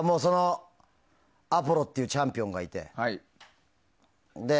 アポロっていうチャンピオンがいて。